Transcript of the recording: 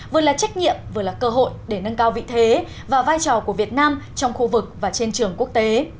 vừa là trách nhiệm vừa là cơ hội để nâng cao vị thế và vai trò của việt nam trong khu vực và trên trường quốc tế